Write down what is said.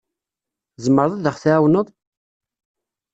Tzemreḍ ad aɣ-tɛawneḍ?